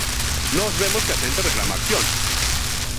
Nós vemos que a xente reclama accións.